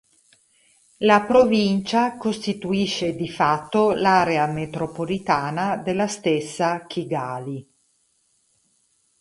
La provincia costituisce di fatto l'area metropolitana della stessa Kigali.